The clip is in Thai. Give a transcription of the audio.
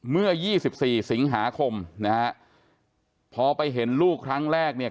เมื่อ๒๔สิงหาคมนะฮะพอไปเห็นลูกครั้งแรกเนี่ย